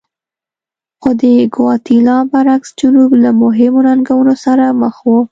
خو د ګواتیلا برعکس جنوب له مهمو ننګونو سره مخ و.